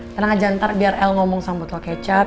tenang aja ntar biar el ngomong sama botol kecap